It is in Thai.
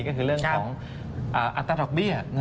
ก็คือเรื่องของอัตราดอกเบี้ย